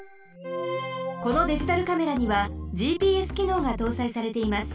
このデジタルカメラにはＧＰＳきのうがとうさいされています。